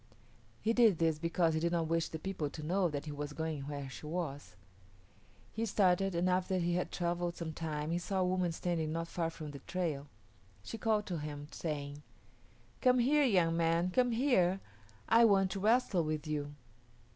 He did this because he did not wish the people to know that he was going where she was. He started, and after he had travelled some time he saw a woman standing not far from the trail. She called to him, saying, "Come here, young man, come here; I want to wrestle with you."